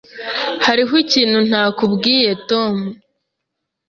Hariho ikintu ntakubwiye, Tom.